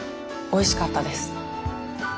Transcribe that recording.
おいしかったです。